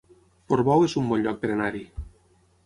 Portbou es un bon lloc per anar-hi